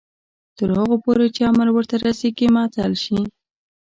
تر هغو پورې چې امر ورته رسیږي معطل شي.